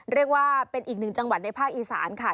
เรียกว่าเป็นอีกหนึ่งจังหวัดในภาคอีสานค่ะ